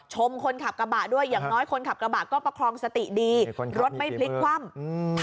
คนขับกระบะด้วยอย่างน้อยคนขับกระบะก็ประคองสติดีรถไม่พลิกคว่ำอืม